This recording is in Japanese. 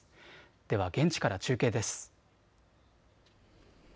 では現地から中継です。